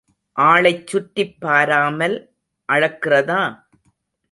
ஆளைச் சுற்றிப் பாராமல் அளக்கிறதா?